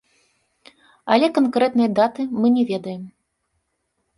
Але канкрэтнай даты мы не ведаем.